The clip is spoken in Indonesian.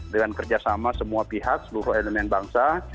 dengan kerjasama semua pihak seluruh elemen bangsa